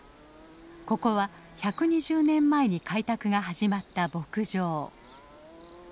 ここは１２０年前に開拓が始まった牧場。